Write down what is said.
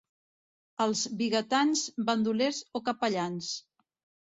Els vigatans, bandolers o capellans.